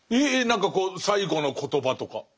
何か最後の言葉とか。